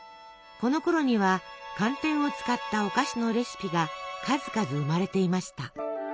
このころには寒天を使ったお菓子のレシピが数々生まれていました。